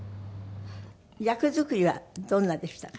役作りはどんなでしたか？